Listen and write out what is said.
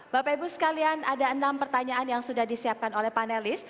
bapak ibu sekalian ada enam pertanyaan yang sudah disiapkan oleh panelis